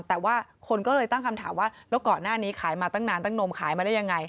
แต่ว่าคนก็เลยตั้งคำถามว่าแล้วก่อนหน้านี้ขายมาตั้งนานตั้งนมขายมาได้ยังไง